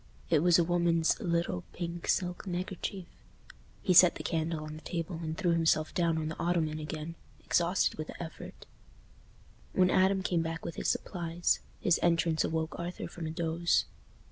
It was a woman's little, pink, silk neckerchief. He set the candle on the table, and threw himself down on the ottoman again, exhausted with the effort. When Adam came back with his supplies, his entrance awoke Arthur from a doze.